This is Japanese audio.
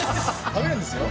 食べるんですよ